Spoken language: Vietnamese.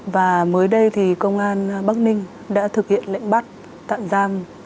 và mới đây thì công an bắc ninh đã thực hiện lệnh bắt tạm giam